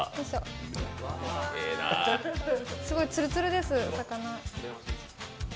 すごい、ツルツルです、魚。